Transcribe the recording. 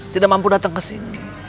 tidak mampu datang ke sini